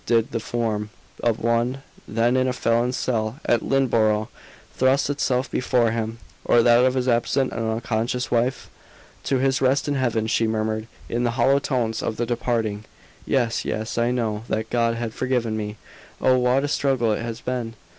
Did the form of one, then in a felon's cell at Lynneborough, thrust itself before him, or that of his absent and unconscious wife? "To His rest in Heaven," she murmured, in the hollow tones of the departing. "Yes, yes I know that God has forgiven me. Oh, what a struggle it has been!